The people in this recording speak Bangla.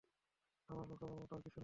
আমার লুকাবার মতো আর কিছু নেই।